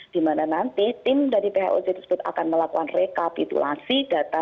di mana nanti tim dari phoz tersebut akan melakukan rekapitulasi data